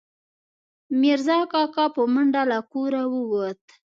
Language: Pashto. میرزا کاکا، په منډه له کوره ووت